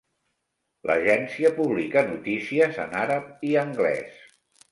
L'agencia publica notícies en àrab i anglès.